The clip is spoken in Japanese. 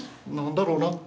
何だろうな？